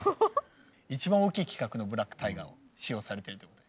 一番大きい規格のブラックタイガーを使用されているということで。